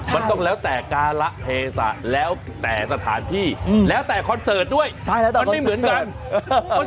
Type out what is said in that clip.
มันต้องแล้วแต่การละเทศะแล้วแต่สถานที่แล้วแต่คอนเสิร์ตด้วยมันไม่เหมือนกัน